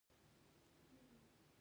کرنه او مالداري د خلکو پیشه وه